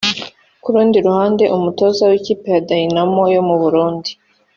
Ku rundi ruhande umutoza w’ ikipe ya Dynamo yo mu Burundi